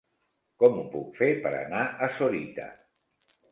Com ho puc fer per anar a Sorita?